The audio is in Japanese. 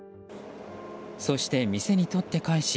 そして、店に取って返し